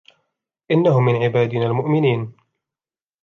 إنه من عبادنا المؤمنين